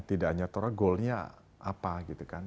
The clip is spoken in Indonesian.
tidak hanya tora goalnya apa gitu kan